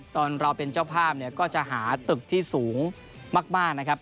ตอนเราเป็นเจ้าภาพเนี่ยก็จะหาตึกที่สูงมากนะครับ